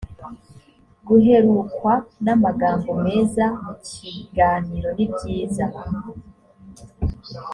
guherukwa n amagambo meza mukiganiro nibyiza